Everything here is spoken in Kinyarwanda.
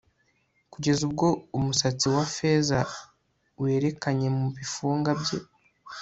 kugeza ubwo umusatsi wa feza werekanye mubifunga bye